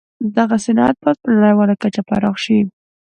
دغه صنعت باید په نړیواله کچه پراخ شي